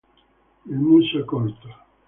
Il muso è corto.